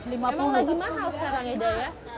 memang lagi mahal sekarang eda ya